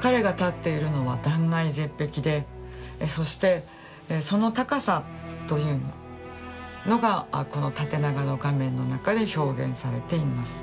彼が立っているのは断崖絶壁でそしてその高さというのがこの縦長の画面の中で表現されています。